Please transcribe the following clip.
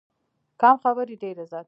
کم خبرې، ډېر عزت.